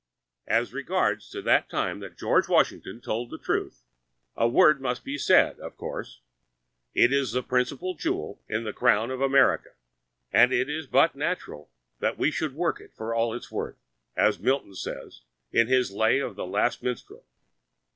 As regards that time that George Washington told the truth, a word must be said, of course. It is the principal jewel in the crown of America, and it is but natural that we should work it for all it is worth, as Milton says in his 'Lay of the Last Minstrel.'